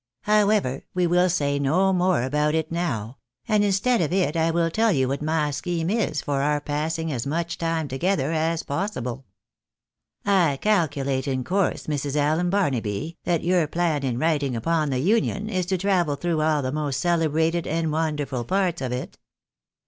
However, we will say no more about it now ; and instead of it I will tell you what my scheme is for our passing as much time together as possible. I calculate, in course, Mrs. Allen Barnaby, that your plan in writing upon the Union, is to travel through all the most celebrated and wonderful parts of it